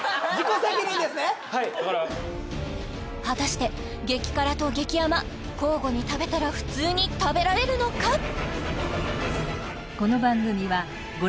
果たして激辛と激甘交互に食べたら普通に食べられるのか？